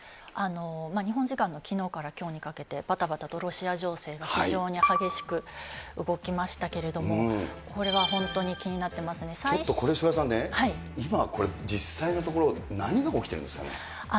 日本時間のきのうからきょうにかけて、ばたばたとロシア情勢が非常に激しく動きましたけれども、これはちょっとこれ、菅原さんね、今これ、実際のところ、何が起きてるんですかね。